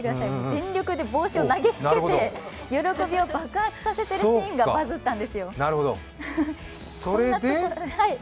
全力で帽子を投げつけて喜びを爆発させているシーンがバズったんですよ。